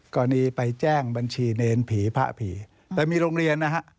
กรณีไปแจ้งบัญชีเนรผีพระผีแต่มีโรงเรียนนะฮะ